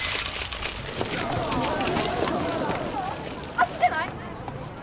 ・あっちじゃない？